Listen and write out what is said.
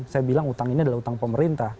saya bilang utang ini adalah utang pemerintah